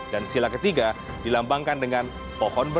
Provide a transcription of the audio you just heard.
dan sila ketiga dilambangkan dengan sebuah bintang emas bersudut lima